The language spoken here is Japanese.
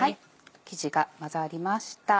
生地が混ざりました。